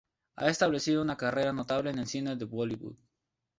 Ha establecido una carrera notable en el cine de Bollywood.